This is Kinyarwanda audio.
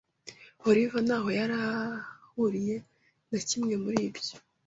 Olivier ntaho yari ahuriye na kimwe muri ibyo.